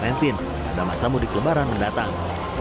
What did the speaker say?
pada masa mudik lebaran mendatang